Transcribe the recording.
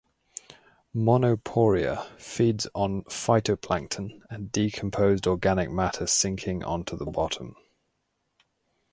"Monoporeia" feeds on phytoplankton and decomposed organic matter sinking onto the bottom.